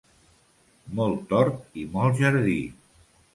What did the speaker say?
Molt hort i molt jardí.